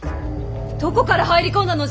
どこから入り込んだのじゃ！